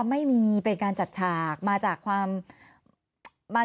ทีนี้วันอาทิตย์หยุดแล้วก็วันจันทร์ก็หยุด